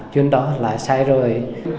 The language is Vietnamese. chuyện đó là sai rồi